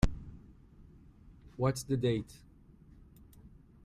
What's the date?